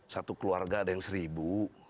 satu keluarga ada yang seribu